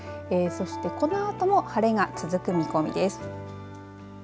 そして、このあとも晴れが続く見込みです。